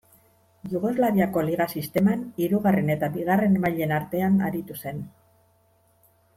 Jugoslaviako Liga sisteman hirugarren eta bigarren mailen artean aritu zen.